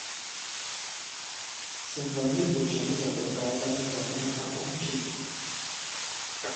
Jsem velmi vděčen za prokázaný zájem a poučení.